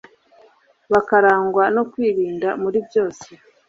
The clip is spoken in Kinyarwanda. bakarangwa no kwirinda muri byose